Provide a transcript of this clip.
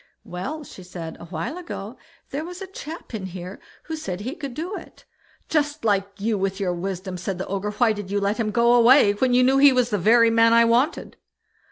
"Well", she said, "a while ago, there was a chap in here who said he could do it." "Just like you, with your wisdom!" said the Ogre; "why did you let him go away then, when you knew he was the very man I wanted?"